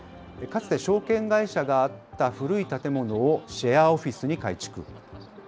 かつて証券会社があった古い建物をシェアオフィスに改築。